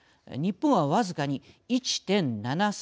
日本は、僅かに１．７３％